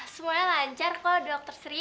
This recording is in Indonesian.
semuanya lancar kok dr sri